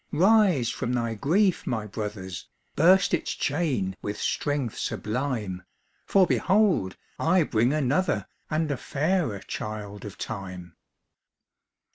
Rise from thy grief, my brothers! Burst its chain with strength sublime, For behold! I bring another, And a fairer child of time.